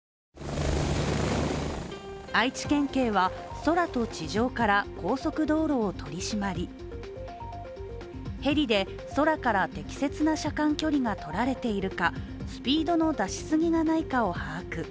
愛知県警は空と地上から高速道路を取り締まりヘリで空から適切な車間距離がとられているかスピードの出し過ぎがないかを把握。